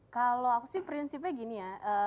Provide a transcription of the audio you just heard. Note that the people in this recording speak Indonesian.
kalau aku sih prinsipnya gini ya